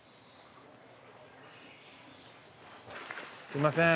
すいません